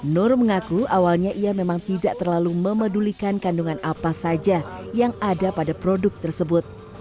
nur mengaku awalnya ia memang tidak terlalu memedulikan kandungan apa saja yang ada pada produk tersebut